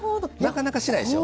なかなかしないでしょ？